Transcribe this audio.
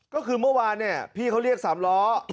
ก็คือเมื่อวานพี่เขาเรียก๓ล้อ